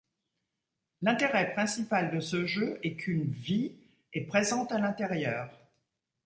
L'intérêt principal de ce jeu est qu'une 'vie' est présente à l'intérieur.